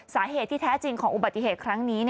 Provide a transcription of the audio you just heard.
สาเหตุที่แท้จริงของอุบัติเหตุครั้งนี้